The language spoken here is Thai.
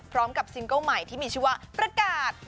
พร้อมกับซิงเกิ้ลใหม่ที่มีชื่อว่าประกาศ